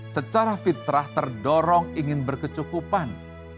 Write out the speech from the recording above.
secara fitrah terdorong ingin berkecukupan